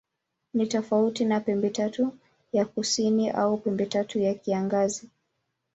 Ni tofauti na Pembetatu ya Kusini au Pembetatu ya Kiangazi.